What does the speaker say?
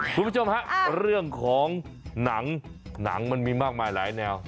คุณผู้ชมฮะเรื่องของหนังมันมีมากมายหลายแนว